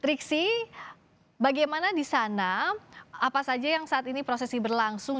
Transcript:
triksi bagaimana di sana apa saja yang saat ini prosesi berlangsung